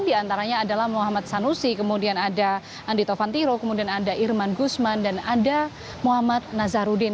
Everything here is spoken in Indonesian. di antaranya adalah muhammad sanusi kemudian ada andi tovantiro kemudian ada irman gusman dan ada muhammad nazarudin